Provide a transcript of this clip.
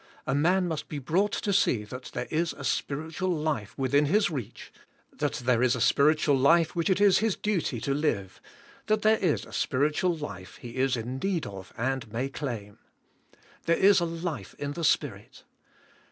A man must be broug ht to see that there is a spiritual life within his reach; that there is a spiritual life v/liich it is his duty to live; that there is a spiritual life he is in need of and may claim. There is a life in the Spirit.